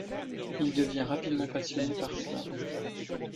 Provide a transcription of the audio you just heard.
Il devient rapidement passionné par cela.